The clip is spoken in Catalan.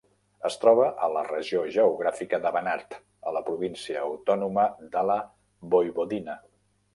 Es troba a la regió geogràfica del Banat, a la província autònoma de la Voivodina.